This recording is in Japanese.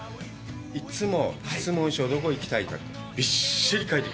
いつも質問書、どこ行きたいか、びっしり。